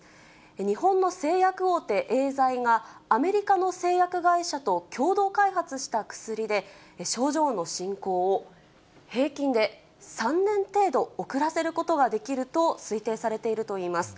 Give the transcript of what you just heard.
日本の製薬大手、エーザイが、アメリカの製薬会社と共同開発した薬で、症状の進行を平均で３年程度遅らせることができると推定されているといいます。